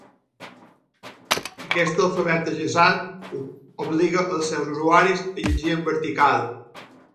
Aquest alfabet ajaçat obliga els seus usuaris a llegir en vertical.